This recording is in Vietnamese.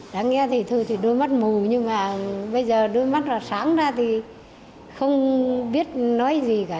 đáng nghe thì thường đôi mắt mù nhưng mà bây giờ đôi mắt sáng ra thì không biết nói gì cả